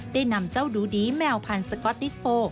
ได้นำเจ้าดูดีแมวพันธก๊อตติโฟ